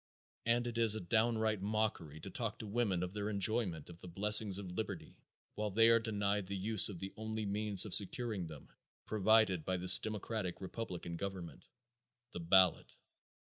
And it is a downright mockery to talk to women of their enjoyment of the blessings of liberty while they are denied the use of the only means of securing them provided by this democratic republican government the ballot.